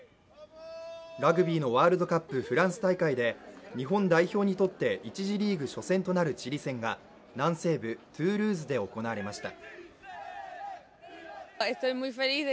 ラグビーのワールドカップ・フランス大会で日本代表にとって１次リーグ初戦となるチリ戦が南西部トゥールーズで行われました。